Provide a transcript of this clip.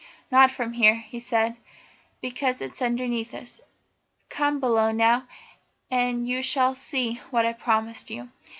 "Not from here," he said, "because it's underneath us. Come below now, and you shall see what I promised you."